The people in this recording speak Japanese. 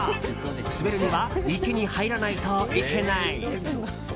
滑るには池に入らないといけない。